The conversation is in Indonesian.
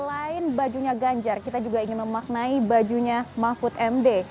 selain bajunya ganjar kita juga ingin memaknai bajunya mahfud md